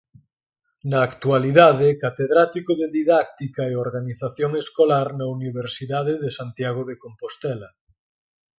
Na actualidade Catedrático de Didáctica e Organización Escolar na Universidade de Santiago de Compostela.